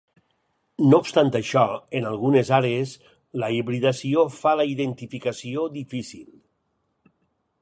No obstant això, en algunes àrees la hibridació fa la identificació difícil.